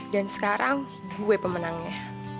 dan sekarang gue pemenangnya